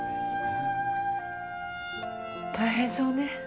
大変そうね。